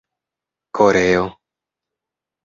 koreo